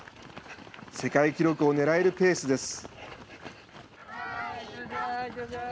世界記録をねらえるペースです。